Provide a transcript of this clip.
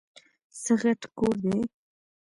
څه غټ کور دی ؟!